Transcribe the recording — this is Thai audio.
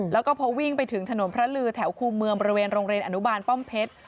แล้วก็พอวิ่งไปถึงถนนพระลือแถวคู่เมืองบริเวณโรงเรียนอนุบาลป้อมเพชร